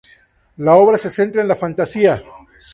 La obra se centra en la fantasía.